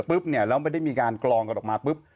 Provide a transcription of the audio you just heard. แล้วเนี่ยเราไม่ได้การกรองมาปุ๊บ